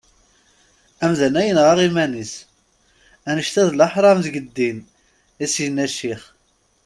Amdan-a yenɣa iman-is, annect-a d leḥram deg ddin, i as-yenna ccix.